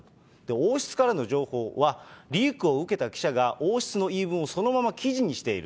王室からの情報は、リークを受けた記者が王室の言い分をそのまま記事にしている。